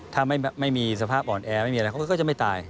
ถ้าไม่มีสภาพอ่อนแอไม่มีอะไรเขาก็จะไม่ตาย